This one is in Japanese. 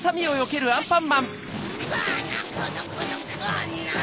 このこのこのこの！